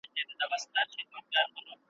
ربه ستا پر ستړې مځکه له ژوندونه یم ستومانه `